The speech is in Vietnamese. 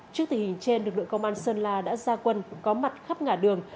trước tình hình trên lực lượng công an sơn la đã ra quân có mặt khắp ngã đường